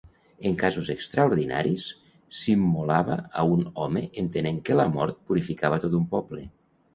En casos extraordinaris, s'immolava a un home entenent que la mort purificava tot un poble.